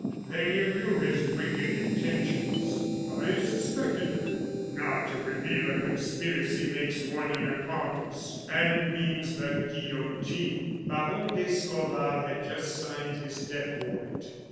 then you knew his wicked intentions?" "I suspected them." "Not to reveal a conspiracy makes one an accomplice, and means the guillotine." Baron d'Escorval had just signed his death warrant.